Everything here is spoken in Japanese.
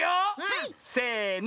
せの！